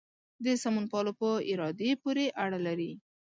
د سمونپالو په ارادې پورې اړه لري.